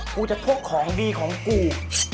กูจะพกของดีของกู